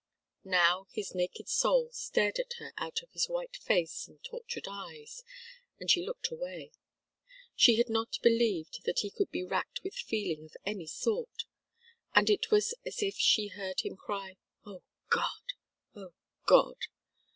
Now his naked soul stared at her out of his white face and tortured eyes, and she looked away. She had not believed that he could be racked with feeling of any sort, and it was as if she heard him cry: "Oh, God! Oh, God!"